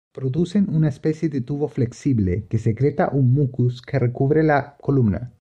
Producen una especie de tubo flexible, que secreta un mucus que recubre la columna.